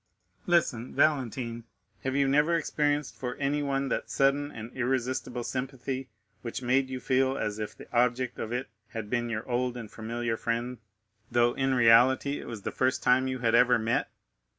"Listen, Valentine. Have you never experienced for anyone that sudden and irresistible sympathy which made you feel as if the object of it had been your old and familiar friend, though, in reality, it was the first time you had ever met?